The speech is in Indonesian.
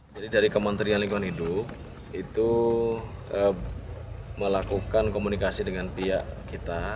jadi dari kementerian lingkungan hidup itu melakukan komunikasi dengan pihak kita